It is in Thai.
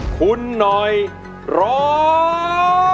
คุณหน่อยร้อง